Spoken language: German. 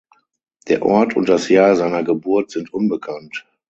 Der Ort und das Jahr seiner Geburt sind unbekannt.